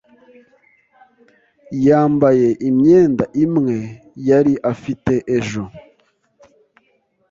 Yambaye imyenda imwe yari afite ejo.